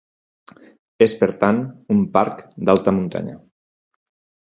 És per tant un parc d'alta muntanya.